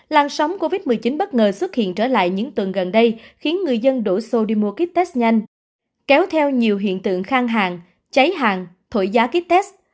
làn sóng covid một mươi chín bất ngờ xuất hiện trở lại những tuần gần đây khiến người dân đổ xô đi mua kit test nhanh kéo theo nhiều hiện tượng khang hàng cháy hàng thổi giá kit test